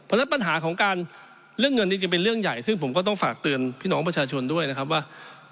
เพราะฉะนั้นปัญหาของการเรื่องเงินนี้จะเป็นเรื่องใหญ่ซึ่งผมก็ต้องฝากเตือนพี่น้องประชาชนด้วยนะครับว่า